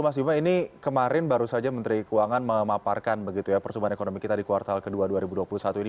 mas bima ini kemarin baru saja menteri keuangan memaparkan begitu ya pertumbuhan ekonomi kita di kuartal ke dua dua ribu dua puluh satu ini